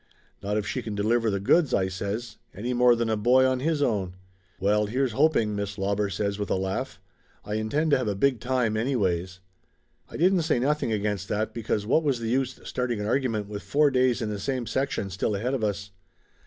"Not if she can deliver the goods," I says. "Ariy more than a boy on his own." "Well, here's hoping!" Miss Lauber says with a laugh. "I intend to have a big time anyways !" I didn't say nothing against that because what was the use starting an argument with four days in the same section still ahead of us